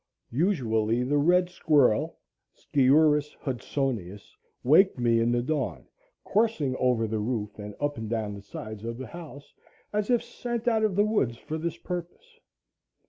Usually the red squirrel (Sciurus Hudsonius) waked me in the dawn, coursing over the roof and up and down the sides of the house, as if sent out of the woods for this purpose.